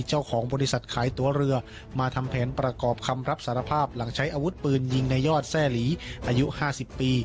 เจ้าของบริษัทขายตัวเรือมาทำแผนประกอบคำรับสารภาพหลังใช้อาวุธปืนยิงในยอดแทร่หลีอายุ๕๐ปี